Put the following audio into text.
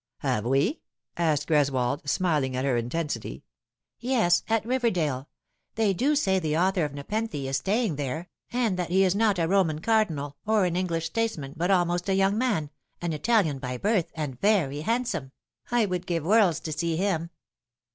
" Have we ?" asked Greswold, smiling at her intensity. " Yes, at Riverdale. They do say the author of Nepenthe is staying there, and that he is not a Roman Cardinal or an English statesman, but almost a young man an Italian by birth and very handsome. I would give worlds to see him."